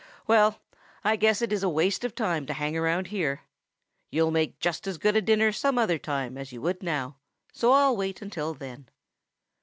Well, I guess it is a waste of time to hang around here. You'll make just as good a dinner some other time as you would now, so I'll wait until then."